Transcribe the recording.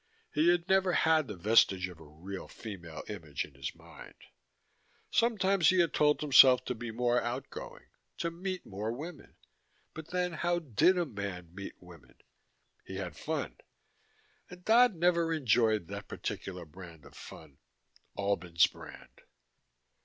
He had never had the vestige of a real female image in his mind. Sometimes he had told himself to be more out going, to meet more women but, then, how did a man meet women? He had fun. And Dodd had never enjoyed that particular brand of fun Albin's brand.